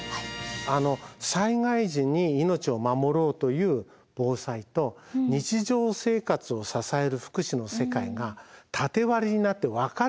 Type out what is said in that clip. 災害時に命を守ろうという防災と日常生活を支える福祉の世界が縦割りになって分かれていた。